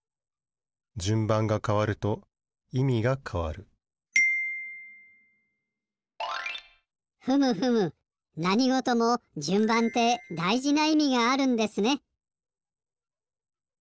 順番がかわるといみがかわるふむふむなにごとも順番ってだいじないみがあるんですね。